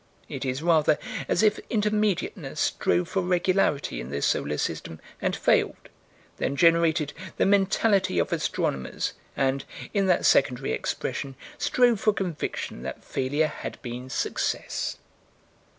It is rather as if Intermediateness strove for Regularity in this solar system and failed: then generated the mentality of astronomers, and, in that secondary expression, strove for conviction that failure had been success.